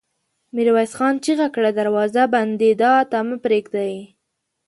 ميرويس خان چيغه کړه! دروازه بندېدا ته مه پرېږدئ!